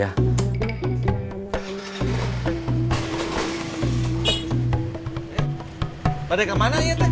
eh padahal kemana ya ten